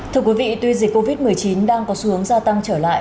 thưa quý vị tuy dịch covid một mươi chín đang có xu hướng gia tăng trở lại